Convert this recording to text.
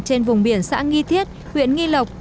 trên vùng biển xã nghi thiết huyện nghi lộc